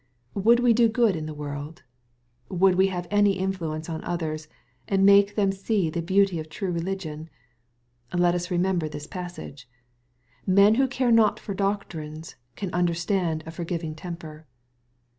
Would we do good to the world ? Would we have any influence on others, and make them see the beauty of true religion ? Let us remember this passage. Men who care not for doctrines, can understand a forgiving temper.